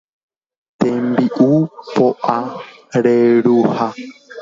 tembi'u po'a reruha